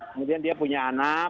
kemudian dia punya anak